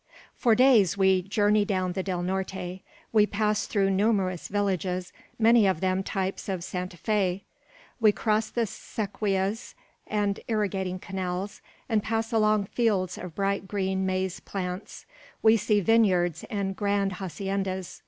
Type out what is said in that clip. For days we journey down the Del Norte. We pass through numerous villages, many of them types of Santa Fe. We cross the zequias and irrigating canals, and pass along fields of bright green maize plants. We see vineyards and grand haciendas.